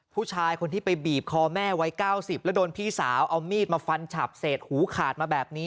ผู้ชายคนที่ไปบีบคอแม่ไว้๙๐แล้วโดนพี่สาวเอามีดมาฟันฉับเศษหูขาดมาแบบนี้